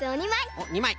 おっ２まい。